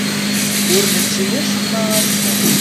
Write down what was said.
Ur nečči acemma ass-a.